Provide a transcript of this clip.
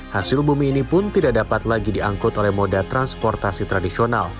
hasil bumi ini pun tidak dapat lagi diangkut oleh moda transportasi tradisional